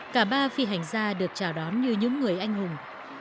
cả ba phi hành gia được chào đón như những người anh hùng